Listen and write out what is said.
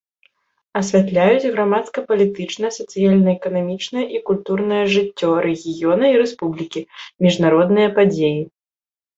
Асвятляюць грамадска-палітычнае, сацыяльна-эканамічнае і культурнае жыццё рэгіёна і рэспублікі, міжнародныя падзеі.